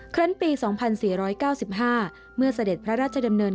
ครั้งปี๒๔๙๕เมื่อเสด็จพระราชดำเนิน